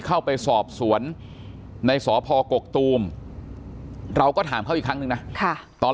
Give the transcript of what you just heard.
เข้าไปสอบสวนในสพกกตูมเราก็ถามเขาอีกครั้งนึงนะตอน